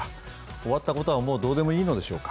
終わったことはもうどうでもいいのでしょうか。